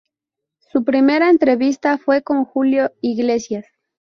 Su primera entrevista fue con Julio Iglesias.